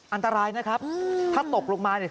อันตรายนะครับถ้าตกลงมาเนี่ย